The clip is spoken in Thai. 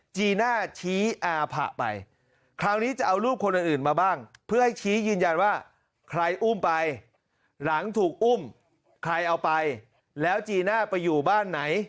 จีน่าชี้อาผะไปคราวนี้จะเอารูปคนอื่นมาบ้าง